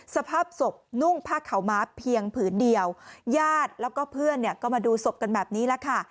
สภาพศพนุ่งผ้าขาวม้าเพียงผืนเดียวญาติแล้วก็เพื่อนเนี่ยก็มาดูศพกันแบบนี้แหละค่ะ